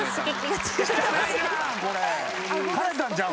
枯れたんちゃう？